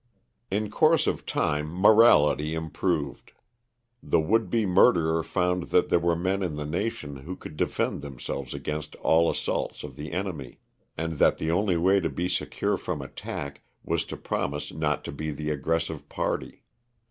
In course of time morality improved. The would be murderer found that there were men in the nation who could defend themselves against all assaults of the enemy; and that the only way to be secure from attack was to promise not to be the aggressive party.